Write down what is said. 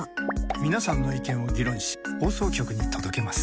皆さんの意見を議論し放送局に届けます。